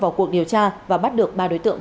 vào cuộc điều tra và bắt được ba đối tượng